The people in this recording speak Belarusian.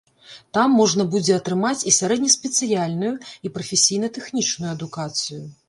Там можна будзе атрымаць і сярэдне-спецыяльную, і прафесійна-тэхнічную адукацыю.